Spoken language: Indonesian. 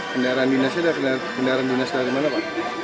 kendaraan dinasnya kendaraan dinas dari mana pak